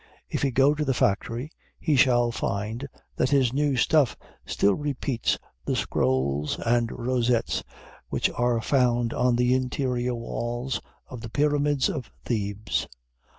If he go to the factory, he shall find that his new stuff still repeats the scrolls and rosettes which are found on the interior walls of the pyramids of Thebes.